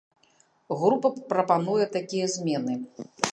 Група прапануе такія змены.